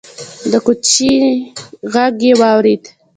د کوچي غږ يې واورېد: